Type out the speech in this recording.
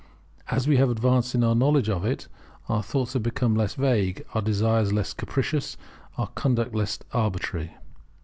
As we have advanced in our knowledge of it, our thoughts have become less vague, our desires less capricious, our conduct less arbitrary.